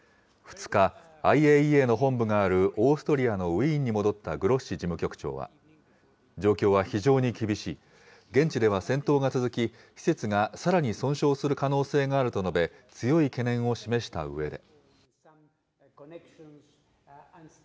２日、ＩＡＥＡの本部があるオーストリアのウィーンに戻ったグロッシ事務局長は、状況は非常に厳しい、現地では戦闘が続き、施設がさらに損傷する可能性があると述べ、強い懸念を示したうえで。